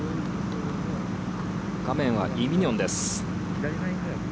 画面はイ・ミニョンです。